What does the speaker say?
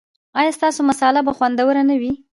ایا ستاسو مصاله به خوندوره نه وي؟